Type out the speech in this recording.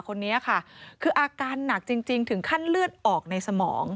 คนนี้ค่ะคืออาการหนักจริงถึงขั้นเลือดออกในสมอง